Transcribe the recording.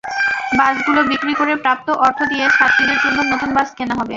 বাসগুলো বিক্রি করে প্রাপ্ত অর্থ দিয়ে ছাত্রীদের জন্য নতুন বাস কেনা হবে।